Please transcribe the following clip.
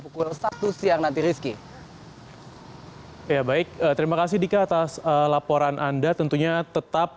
pukul satu siang nanti rizky ya baik terima kasih dika atas laporan anda tentunya tetap